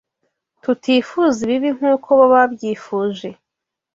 tutifuza ibibi nk’uko bo babyifuje